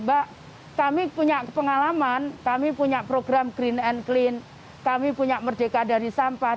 mbak kami punya pengalaman kami punya program green and clean kami punya merdeka dari sampah